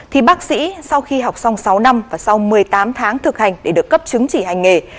thì bác sĩ sau khi học xong sáu năm và sau một mươi tám tháng thực hành để được cấp chứng chỉ hành nghề